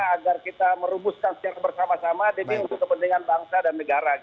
agar kita merumuskan secara bersama sama demi untuk kepentingan bangsa dan negara